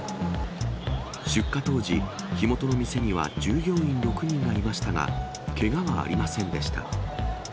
出火当時、火元の店には従業員６人がいましたが、けがはありませんでした。